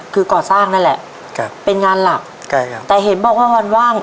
ก่อสร้างนั่นแหละเป็นงานหลักแต่เห็นบอกว่าว่างว่าง